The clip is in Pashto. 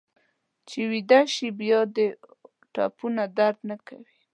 چې ویده شې بیا دې ټپونه درد نه کوي.